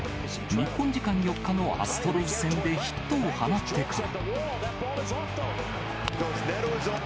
日本時間４日のアストロズ戦でヒットを放ってから。